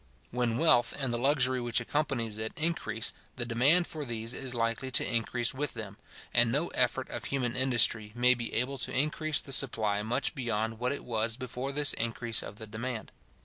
When wealth, and the luxury which accompanies it, increase, the demand for these is likely to increase with them, and no effort of human industry may be able to increase the supply much beyond what it was before this increase of the demand.